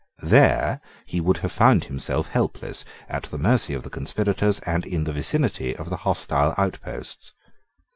There he would have found himself helpless, at the mercy of the conspirators, and in the vicinity of the hostile outposts.